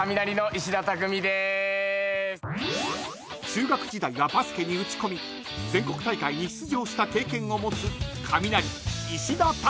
［中学時代はバスケに打ち込み全国大会に出場した経験を持つ］